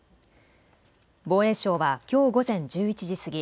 防衛省はきょう午前１１時過ぎ